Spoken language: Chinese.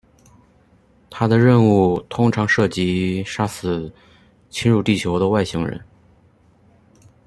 他的任务通常涉及杀死侵入地球的外星人。